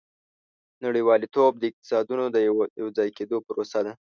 • نړیوالتوب د اقتصادونو د یوځای کېدو پروسه ده.